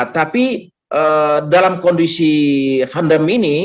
tapi dalam kondisi pandemi ini